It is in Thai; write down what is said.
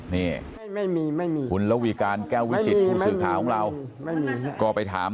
นี่ไม่มีไม่มีคุณระวีการแก้ววิจิตผู้สื่อข่าวของเราก็ไปถาม